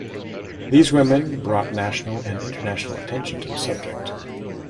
These women brought national and international attention to the subject.